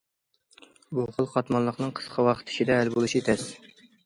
بۇ خىل قاتماللىقنىڭ قىسقا ۋاقىت ئىچىدە ھەل بولۇشى تەس.